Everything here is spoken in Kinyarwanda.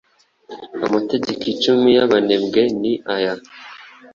Amategeko icumi y'abanebwe ni aya